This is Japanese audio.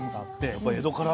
やっぱ江戸から？